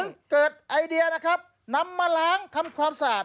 ก็เกิดไอเดียนำมาหลางทำความสาด